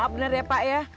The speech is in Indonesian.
maaf bener ya pak ya